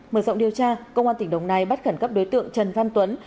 mở rộng điều tra công an tỉnh đồng nai bắt khẩn cấp đối tượng trần văn tuấn